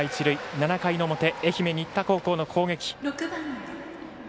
７回の表、愛媛・新田高校の攻撃。